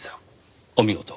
お見事。